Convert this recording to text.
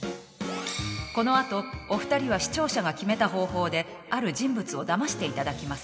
この後お二人は視聴者が決めた方法である人物をだましていただきます。